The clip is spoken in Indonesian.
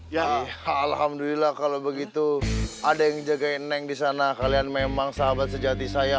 ya alhamdulillah kalau begitu ada yang jagain yang disana kalian memang sahabat sejati saya